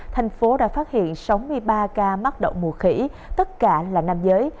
thành phố đã phát hiện sáu mươi ba ca mắc đậu mùa khỉ tất cả là nam giới